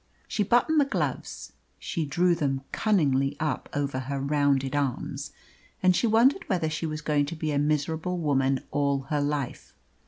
She buttoned the gloves, she drew them cunningly up over her rounded arms, and she wondered whether she was going to be a miserable woman all her life.